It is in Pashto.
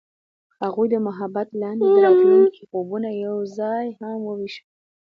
هغوی د محبت لاندې د راتلونکي خوبونه یوځای هم وویشل.